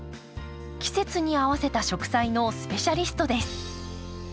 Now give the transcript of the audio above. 季節に合わせた植栽のスペシャリストです。